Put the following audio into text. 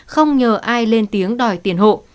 không nhờ ai lên tiếng đòi tiền hộ